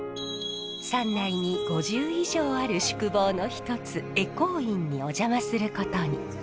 山内に５０以上ある宿坊の一つ恵光院にお邪魔することに。